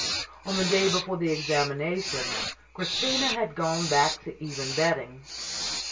On the day before the examination Christina had gone back to even betting.